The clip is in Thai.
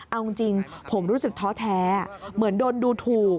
เอาจริงผมรู้สึกท้อแท้เหมือนโดนดูถูก